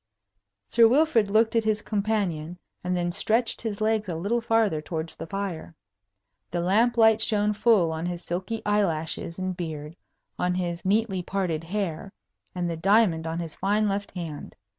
Sir Wilfrid looked at his companion, and then stretched his legs a little farther towards the fire. The lamp light shone full on his silky eyelashes and beard, on his neatly parted hair, and the diamond on his fine left hand.